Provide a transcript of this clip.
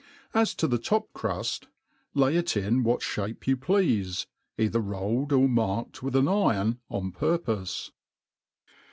As to the top cruft, lay it in what (hape you pleafe, either rolled or marked with an iron on purpofe.